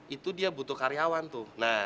itu dia butuh karyawan tuh